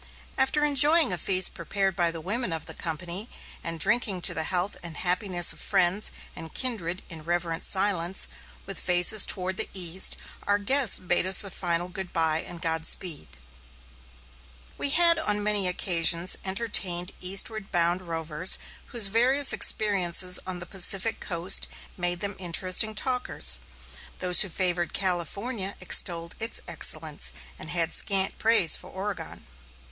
After enjoying a feast prepared by the women of the company, and drinking to the health and happiness of friends and kindred in reverent silence, with faces toward the east, our guests bade us a final good bye and godspeed. We had on many occasions entertained eastward bound rovers whose varied experiences on the Pacific coast made them interesting talkers. Those who favored California extolled its excellence, and had scant praise for Oregon.